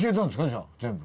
じゃあ全部。